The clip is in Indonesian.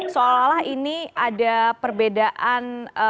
seolah olah ini ada perbedaan